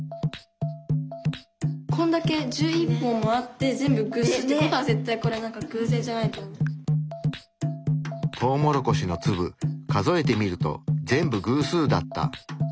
こんだけ１１本もあって全部偶数って事は絶対これはトウモロコシの粒数えてみると全部偶数だった。